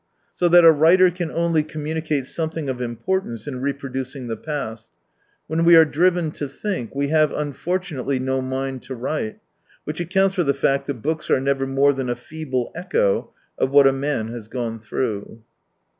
So that a writer can only communicate something of import ance in reproducing the past. When we are driven to think, we have unfortunately no mind to write, which accounts for the fact that books are never more than a feeble echo of what a knan has gone throu^fh.